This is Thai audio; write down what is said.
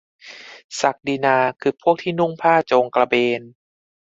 ศักดินาคือพวกที่นุ่งผ้าโจงกระเบน ?